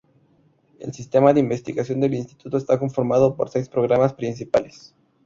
El sistema de investigación del instituto está conformado por seis programas principales.